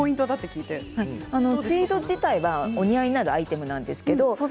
ツイード自体はお似合いになるアイテムなんです。